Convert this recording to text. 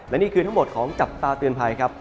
และนี่คือทั้งหมดของจับตาเตือนภัยครับ